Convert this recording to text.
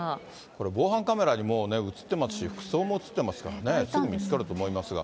これ防犯カメラにも写ってますし、服装も写ってますからね、すぐ見つかると思いますが。